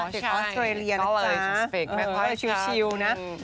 เด็กออสเกรลียนะจ๊ะเพราะชิวนะ